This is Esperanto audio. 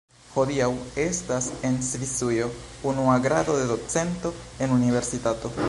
Hodiaŭ estas en Svisujo unua grado de docento en universitato.